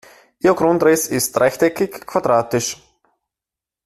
Ihr Grundriss ist rechteckig, quadratisch.